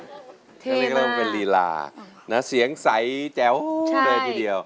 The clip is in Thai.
มันก็ต้องเป็นลีลาแล้วเสียงใสแจ๊วแรงทีเดียว